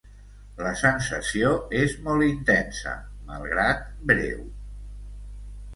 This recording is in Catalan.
La sensació és molt intensa, malgrat breu.